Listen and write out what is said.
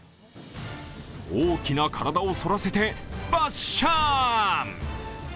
大きな体を反らせてバッシャーン！